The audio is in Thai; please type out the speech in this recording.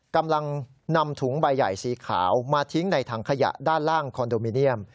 กำลังนำถุงใบใหญ่สีขาวมาทิ้งในถังขยะด้านล่างคอนโดมิเนียม